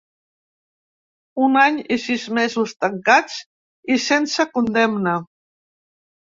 Un any i sis mesos tancats i sense condemna.